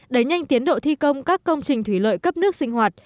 đẩy nhanh tiến độ thi công các công trình thủy lợi cấp nước sinh hoạt